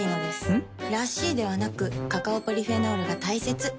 ん？らしいではなくカカオポリフェノールが大切なんです。